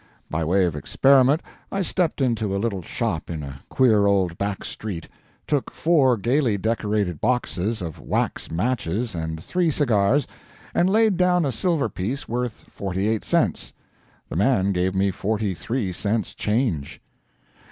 By way of experiment, I stepped into a little shop in a queer old back street, took four gaily decorated boxes of wax matches and three cigars, and laid down a silver piece worth 48 cents. The man gave me 43 cents change.